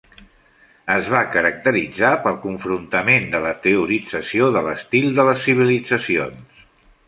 Es va caracteritzar pel confrontament de la teorització de l'estil de les civilitzacions.